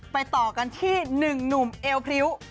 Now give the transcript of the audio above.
ไปต่อกันที่หนึ่งหนุ่มเอวพริ้ว